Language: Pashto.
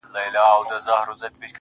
• ای د نشې د سمرقند او بُخارا لوري_